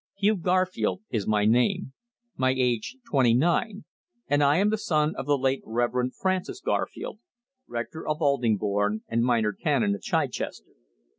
Hugh Garfield is my name; my age twenty nine, and I am the son of the late Reverend Francis Garfield, rector of Aldingbourne and minor canon of Chichester.